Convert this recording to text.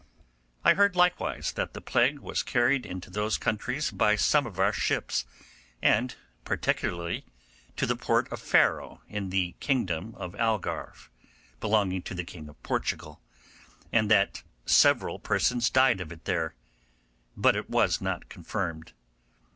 I heard likewise that the plague was carried into those countries by some of our ships, and particularly to the port of Faro in the kingdom of Algarve, belonging to the King of Portugal, and that several persons died of it there; but it was not confirmed.